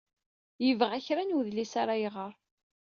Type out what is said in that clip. Yebɣa kra n wedlis ara iɣer.